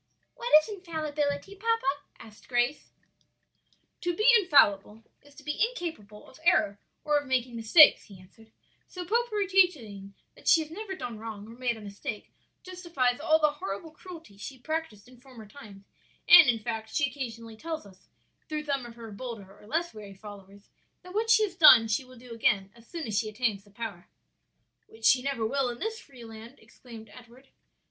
"What is infallibility, papa?" asked Grace. "To be infallible is to be incapable of error or of making mistakes," he answered. "So popery teaching that she has never done wrong or made a mistake justifies all the horrible cruelties she practised in former times; and, in fact, she occasionally tells us, through some of her bolder or less wary followers, that what she has done she will do again as soon as she attains the power." "Which she never will in this free land," exclaimed Edward.